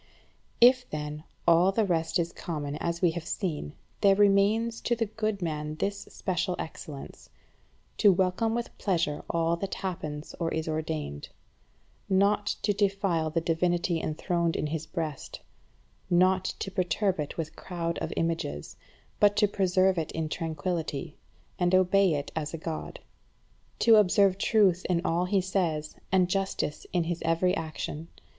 If, then, all the rest is common as we have seen, there remains to the good man this special excellence; to welcome with pleasure all that happens or is ordained, not to defile the divinity enthroned in his breast, not to perturb it with a crowd of images, but to preserve it in tranquillity, and obey it as a God: to observe truth in all he says, and justice in his every action.